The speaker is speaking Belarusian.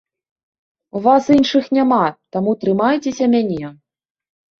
У вас іншых няма, таму трымайцеся мяне.